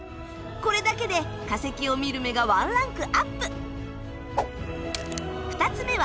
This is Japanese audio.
これだけで化石を見る目がワンランクアップ！